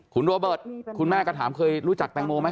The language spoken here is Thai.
คุณโรเบิร์ตคุณแม่ก็ถามเคยรู้จักแตงโมไหม